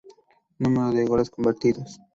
Número de goles convertidos.